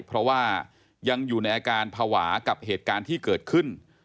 เพราะว่ายังอยู่ในอาการภาวะกับเหตุการณ์ที่เกิดขึ้น